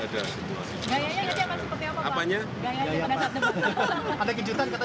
ada kejutan katanya pak